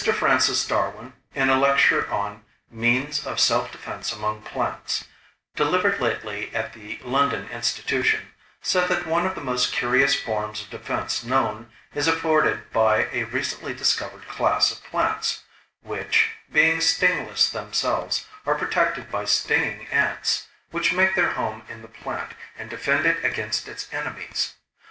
Francis Darwin, in a lecture on "Means of Self Defense among Plants," delivered lately at the London Institution, said that one of the most curious forms of defense known is afforded by a recently discovered class of plants, which, being stingless themselves, are protected by stinging ants, which make their home in the plant and defend it against its enemies.